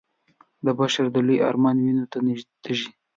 د بشر د لوی ارمان وينو ته تږی